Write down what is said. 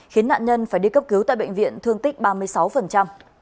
khiến nạn nhân phải đi cấp cứu tại bệnh viện thương tích ba mươi sáu